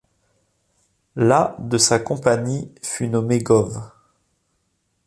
La de sa compagnie fut nommée Gov.